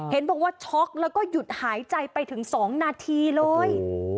เห็นบอกว่าช็อกแล้วก็หยุดหายใจไปถึง๒นาทีเลย